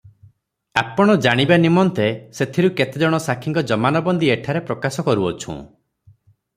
ଆପଣ ଜାଣିବା ନିମନ୍ତେ ସେଥିରୁ କେତେ ଜଣ ସାକ୍ଷୀଙ୍କ ଜମାନବନ୍ଦି ଏଠାରେ ପ୍ରକାଶ କରୁଅଛୁଁ -